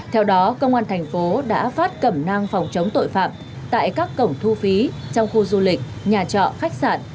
theo đó công an thành phố đã phát cẩm năng phòng chống tội phạm tại các cổng thu phí trong khu du lịch nhà trọ khách sạn